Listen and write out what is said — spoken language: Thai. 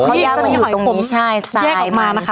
เพราะว่ามันอยู่ตรงนี้ใช่สายมัน